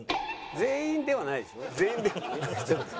全員ではないでしょ。